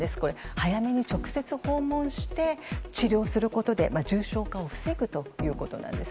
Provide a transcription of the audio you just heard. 早めに直接訪問して治療することで重症化を防ぐということなんです。